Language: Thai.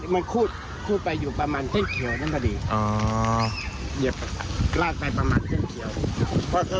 มันคูดไปอยู่ประมาณเส้นเขียวนั่นมาดี